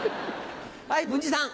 はい文治さん。